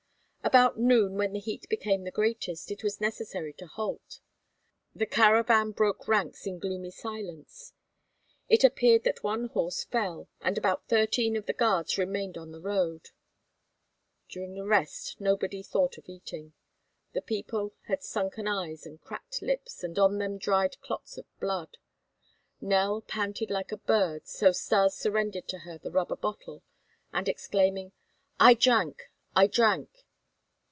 About noon, when the heat became the greatest, it was necessary to halt. The caravan broke ranks in gloomy silence. It appeared that one horse fell and about thirteen of the guards remained on the road. During the rest nobody thought of eating. The people had sunken eyes and cracked lips and on them dried clots of blood. Nell panted like a bird, so Stas surrendered to her the rubber bottle, and exclaiming: "I drank! I drank!"